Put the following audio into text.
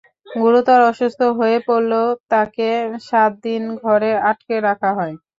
গুরুতর অসুস্থ হয়ে পড়লেও তাঁকে সাত দিন ঘরে আটকে রাখা হয়।